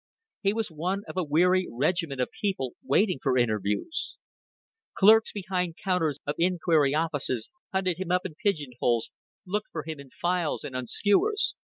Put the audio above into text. He was one of a weary regiment of people waiting for interviews. Clerks behind counters of inquiry offices hunted him up in pigeon holes, looked for him in files and on skewers.